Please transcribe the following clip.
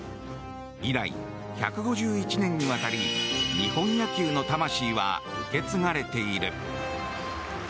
以来、１５１年にわたり日本野球の魂は受け継がれている。